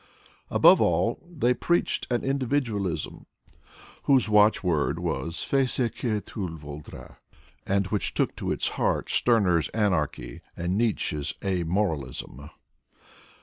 Above all they preached an individualism, whose watchword was Fais ce que tu voldras, and which took to its heart Stir ner's anarchy and Nietzsche's a moralism.